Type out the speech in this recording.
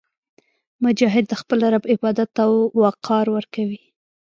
مجاهد د خپل رب عبادت ته وقار ورکوي.